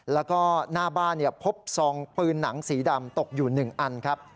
แล้วก็หน้าบ้านพบซองปืนหนังสีดำตกอยู่๑อันครับ